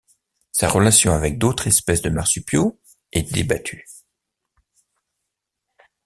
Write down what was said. Sa relation avec d'autres espèces de marsupiaux est débattue.